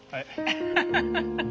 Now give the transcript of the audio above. アハハハ。